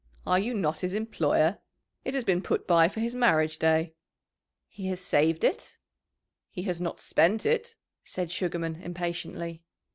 Are you not his employer? It has been put by for his marriage day." "He has saved it?" "He has not spent it," said Sugarman, impatiently.